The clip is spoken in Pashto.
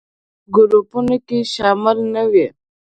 ګروپونو کې شامل نه وي.